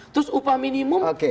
terus upah minimum